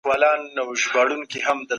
هر انسان تېروتنه کوي